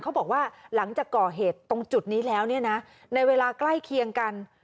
เขาบอกว่าหลังจากก่อเหตุตรงจุดนี้แล้วเนี่ยนะในเวลาใกล้เคียงกัน